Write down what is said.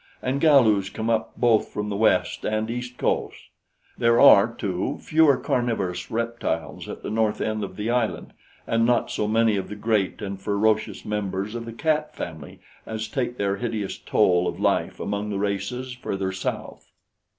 And Galus come up both from the west and east coasts. There are, too, fewer carnivorous reptiles at the north end of the island, and not so many of the great and ferocious members of the cat family as take their hideous toll of life among the races further south.